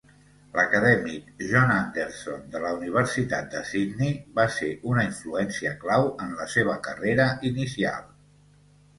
L'acadèmic John Anderson de la Universitat de Sydney va ser una influència clau en la seva carrera inicial.